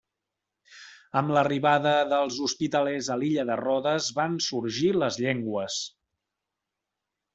Amb l'arribada dels hospitalers a l'illa de Rodes van sorgir les llengües.